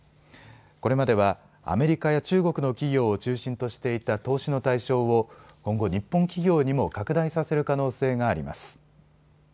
これまではアメリカや中国の企業を中心としていた投資の対象を今後、日本企業にも拡大させる可能性があります。